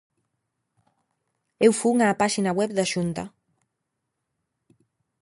Eu fun á páxina web da Xunta.